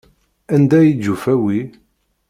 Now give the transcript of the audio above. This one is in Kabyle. Anda ay d-yufa wi?